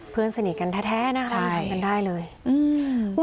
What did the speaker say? เพื่อนสนิทกันแท้น่ะใช่ใช่มันได้เลยอืม